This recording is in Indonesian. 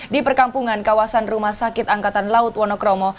di perkampungan kawasan rumah sakit angkatan laut wonokromo